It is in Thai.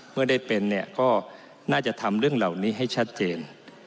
เมื่อได้เป็นเนี่ยก็น่าจะทำเรื่องเหล่านี้ให้ชัดเจน